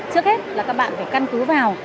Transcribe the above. trước hết là các bạn phải căn cứ vào